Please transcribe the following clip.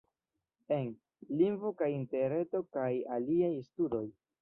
En: Lingvo kaj Interreto kaj aliaj studoj.